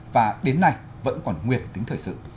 và đến nay vẫn còn nguyệt tính thời sự